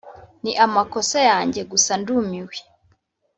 ni amakosa yanjye, gusa ndumiwe.